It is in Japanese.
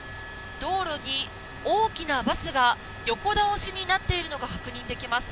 道路に大きなバスが、横倒しになっているのが確認できます。